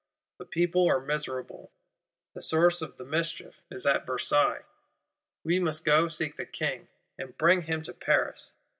The people are miserable, the source of the mischief is at Versailles: we must go seek the King, and bring him to Paris.